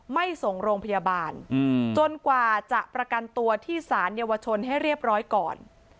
ไม่ส่งโรงพยาบาลจนกว่าจะประกันตัวที่สารเยาวชนให้เรียบร้อยก่อน